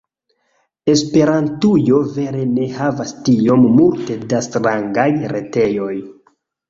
Esperantujo vere ne havas tiom multe da strangaj retejoj.